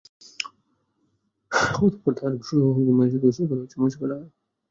অতঃপর তার হুকুমে সেগুলো মুছে ফেলা হয়।